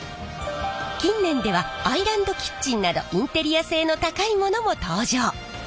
近年ではアイランドキッチンなどインテリア性の高いものも登場！